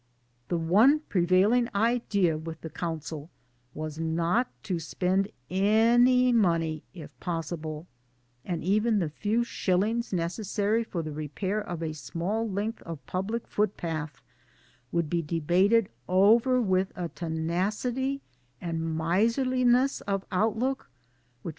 The one prevailing idea with the Council was not to spend any money if possible ; and even the few shillings necessary for the repair of a small length of public footpath would be debated over with a tenacity and miserliness of outlook which!